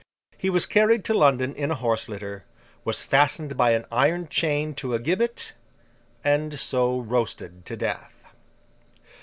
He was carried to London in a horse litter, was fastened by an iron chain to a gibbet, and so roasted to death.